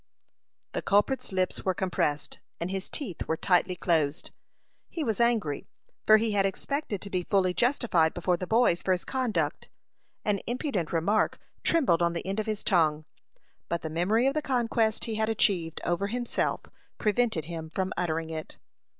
The culprit's lips were compressed, and his teeth were tightly closed. He was angry, for he had expected to be fully justified before the boys for his conduct. An impudent remark trembled on the end of his tongue, but the memory of the conquest he had achieved over himself prevented him from uttering it.